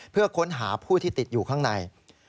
เพื่อค้นหาผู้ที่ติดอยู่ข้างใน